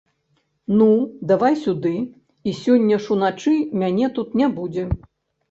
Ну, давай сюды, і сёння ж уначы мяне тут не будзе.